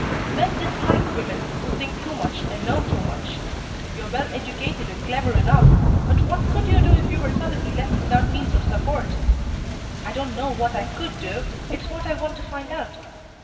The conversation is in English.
Men dislike women who think too much and know too much. You are well educated and clever enough, but what could you do if you were suddenly left without means of support?" "I don't know what I could do. It's what I want to find out.